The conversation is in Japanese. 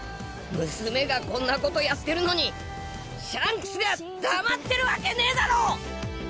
「娘がこんなことやってるのにシャンクスが黙ってるわけねえだろ！」